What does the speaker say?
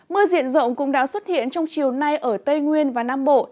mưa diện rộng cũng đã xuất hiện trong chiều nay ở tây nguyên và nam bộ